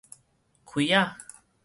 開仔